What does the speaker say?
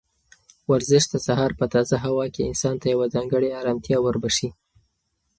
ورزش د سهار په تازه هوا کې انسان ته یوه ځانګړې ارامتیا وربښي.